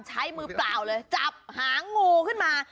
ใช้มือเปล่าเลยจับหางงูขึ้นมา